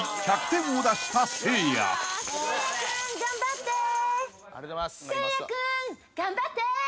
せいや君頑張って！